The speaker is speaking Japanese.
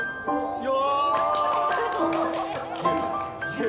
よし！